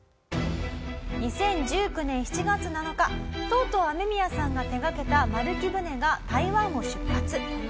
２０１９年７月７日とうとうアメミヤさんが手掛けた丸木舟が台湾を出発。